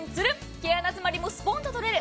毛穴詰まりもスポンと取れる。